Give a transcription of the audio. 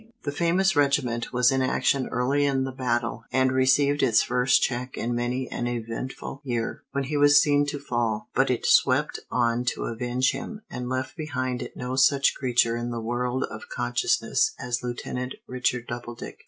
The famous regiment was in action early in the battle, and received its first check in many an eventful year, when he was seen to fall. But it swept on to avenge him, and left behind it no such creature in the world of consciousness as Lieutenant Richard Doubledick.